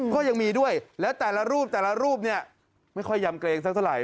ก็ยังมีด้วยแล้วแต่ละรูปแต่ละรูปเนี่ยไม่ค่อยยำเกรงสักเท่าไห